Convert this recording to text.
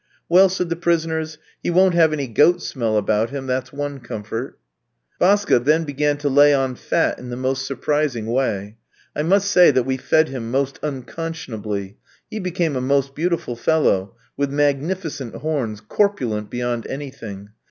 "Well," said the prisoners, "he won't have any goat smell about him, that's one comfort." Vaska then began to lay on fat in the most surprising way. I must say that we fed him quite unconscionably. He became a most beautiful fellow, with magnificent horns, corpulent beyond anything.